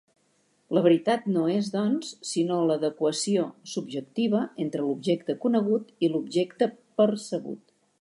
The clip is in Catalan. La veritat no és, doncs, sinó l'adequació subjectiva entre l'objecte conegut i l'objecte percebut.